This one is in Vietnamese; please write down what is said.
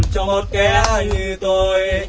cho một kẻ như tôi